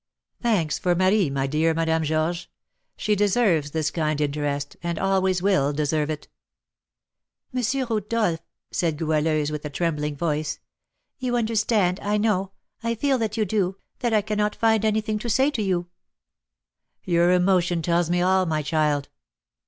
"Thanks for Marie, my dear Madame Georges; she deserves this kind interest, and always will deserve it." "M. Rodolph," said Goualeuse, with a trembling voice, "you understand, I know, I feel that you do, that I cannot find anything to say to you." "Your emotion tells me all, my child."